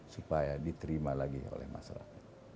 supaya diterima lagi oleh masyarakat